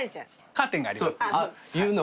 カーテンがありますからね。